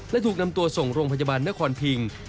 และถูกนำตัวส่งโรงพยาบาลนครพิง